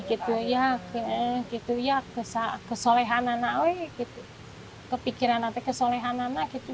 itu ya gitu ya kesal kesolehan anak weh gitu kepikiran atau kesolehan anak itu